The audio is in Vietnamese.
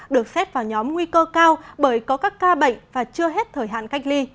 được xét vào nhóm nguy cơ cao bởi có các ca bệnh và chưa hết thời hạn cách ly